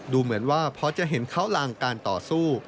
ดูเหมือนว่าเพราะจะเห็นข้าวล่างการต่อสู้